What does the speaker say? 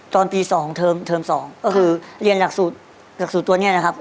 ตอนปี๒เทิม๒ก็คือเรียนหลักสูตรตัวเนี่ยนะครับ